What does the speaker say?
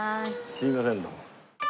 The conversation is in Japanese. すいませんどうも。